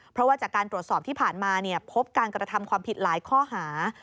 เพราะว่าจากการตรวจสอบที่ผ่านมาพบการกระทำความผิดหลายข้อหา